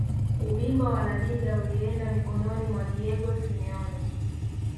ubingwa wa laliga ulienda mikononi mwa diego simeone